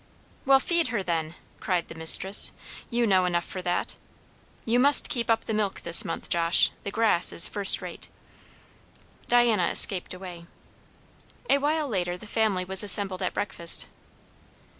"Well, feed her, then," cried the mistress. "You know enough for that. You must keep up the milk this month, Josh; the grass is first rate." Diana escaped away. A while later the family was assembled at breakfast.